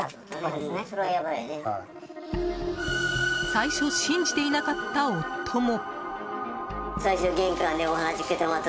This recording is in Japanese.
最初、信じていなかった夫も。